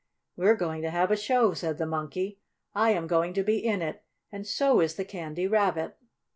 "We're going to have a show," said the Monkey. "I am going to be in it, and so is the Candy Rabbit."